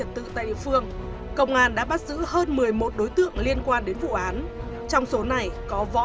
tự tại địa phương công an đã bắt giữ hơn một mươi một đối tượng liên quan đến vụ án trong số này có võ